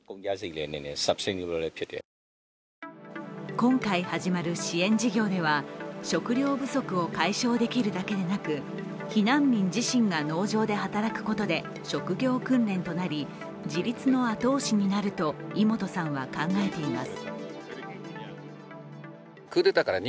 今回始まる支援事業では食料不足を解消できるだけでなく避難民自身が農場で働くことで職業訓練となり、自立の後押しになると井本さんは考えています。